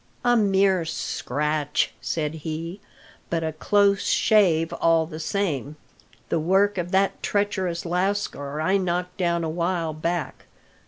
"A mere scratch," said he; "but a close shave all the same. The work of that treacherous lascar I knocked down a while back.